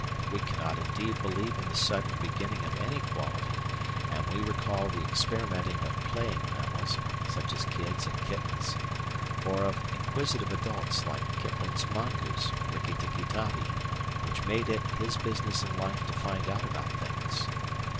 We cannot, indeed, believe in the sudden beginning of any quality, and we recall the experimenting of playing mammals, such as kids and kittens, or of inquisitive adults like Kipling's mongoose, Riki Tiki Tavi, which made it his business in life to find out about things.